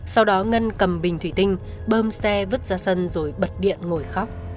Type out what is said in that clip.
sau đó ngân cầm bình thủy tinh bơm xe vứt ra sân rồi bật điện ngồi khóc